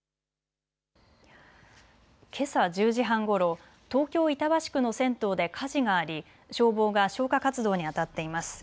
けさ１０時半ごろ、東京板橋区の銭湯で火事があり消防が消火活動にあたっています。